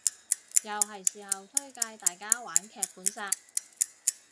又係時候推介大家玩劇本殺